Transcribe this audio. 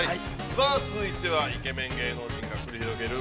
さあ続いては、イケメン芸能人が繰り広げる